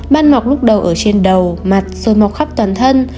ban mọc lúc đầu ở trên đầu mặt rồi mọc khắp toàn thân